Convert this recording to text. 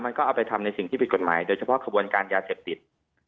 มันก็เอาไปทำในสิ่งที่ผิดกฎหมายโดยเฉพาะขบวนการยาเสพติด